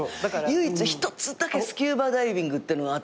唯一一つだけスキューバダイビングってのあって。